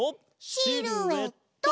シルエット！